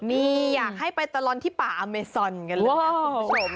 นี่อยากให้ไปตลอดที่ป่าอเมซอนกันหรือเปล่าคุณผู้ชม